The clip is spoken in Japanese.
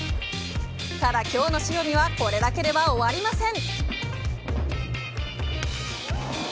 ただ今日の塩見はこれだけでは終わりません。